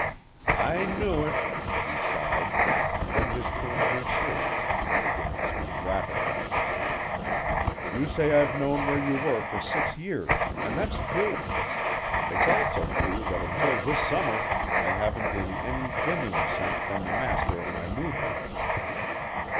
"I knew it," he sighed, then his tone grew serious and he began to speak rapidly. "You say I've known where you were for six years and that's true. It's also true that until this summer, I haven't in any genuine sense been the master of my movements.